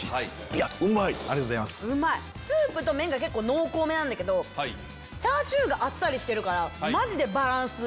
スープと麺が濃厚めなんだけどチャーシューあっさりしてるからマジでバランスいい。